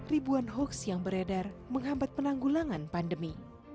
ribuan hoaks yang beredar menghambat penanggulangan pandemi